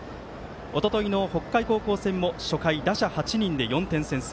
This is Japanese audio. おとといの北海高校戦も、初回打者８人で４点先制。